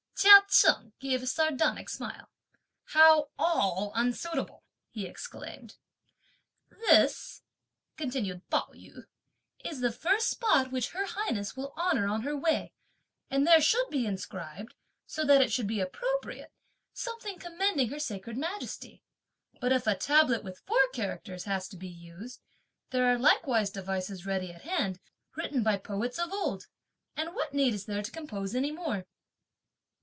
Chia Cheng gave a sardonic smile. "How all unsuitable?" he exclaimed. "This," continued Pao yü, "is the first spot which her highness will honour on her way, and there should be inscribed, so that it should be appropriate, something commending her sacred majesty. But if a tablet with four characters has to be used, there are likewise devices ready at hand, written by poets of old; and what need is there to compose any more?"